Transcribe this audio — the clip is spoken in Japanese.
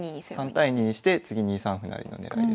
３対２にして次２三歩成の狙いですね。